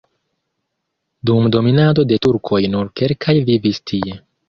Dum dominado de turkoj nur kelkaj vivis tie.